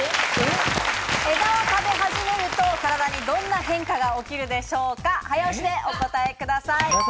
枝を食べ始めると、体にどんな変化が起きるでしょうか、早押しでお答えください。